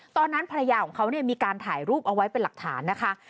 ตอนนั้นภรรยาของเขามีการถ่ายรูปเอาไว้เป็นหลักฐานนะคะ